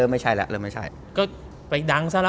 เพือไม่ใช่ค่ะ